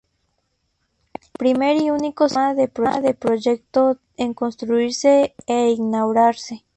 Primer y único sistema del proyecto en construirse e inaugurarse.